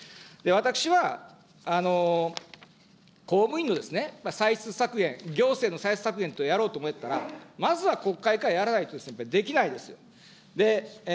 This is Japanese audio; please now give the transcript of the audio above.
私は公務員のですね、歳出削減、行政の歳出削減等をやろうと思ったら、まずは国会からやらないとできないですよ。